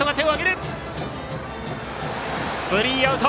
スリーアウト。